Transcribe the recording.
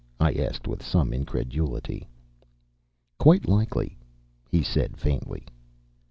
I asked with some incredulity. "Quite likely," he said, faintly.